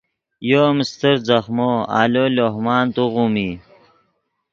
یو ام استر ځخمو آلو لوہ مان توغیم ای